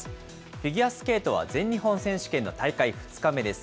フィギュアスケートは全日本選手権の大会２日目です。